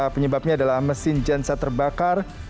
penyebabnya adalah mesin jensa terbakar